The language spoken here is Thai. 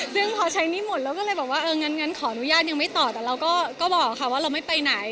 ซึ่งพอใช้หนี้หมดเราก็เลยบอกว่าเอองั้นขออนุญาตยังไม่ต่อแต่เราก็บอกค่ะว่าเราไม่ไปไหน